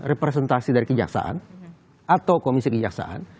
representasi dari kejaksaan atau komisi kejaksaan